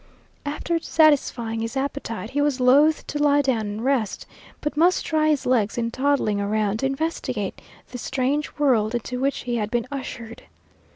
After satisfying his appetite he was loath to lie down and rest, but must try his legs in toddling around to investigate this strange world into which he had been ushered.